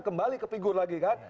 kembali ke figur lagi kan